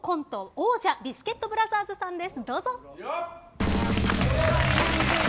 王者ビスケットブラザーズさんです。